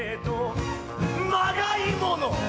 ・まがいもの！